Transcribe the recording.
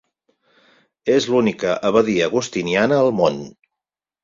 És l'única abadia agustiniana al món.